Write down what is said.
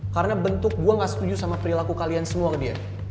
karena bentuk gue gak setuju sama perilaku kalian semua ke dia